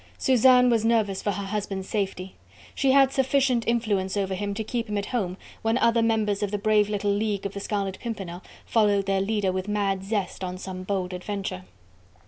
Suzanne was nervous for her husband's safety. She had sufficient influence over him to keep him at home, when other members of the brave little League of The Scarlet Pimpernel followed their leader with mad zest, on some bold adventure.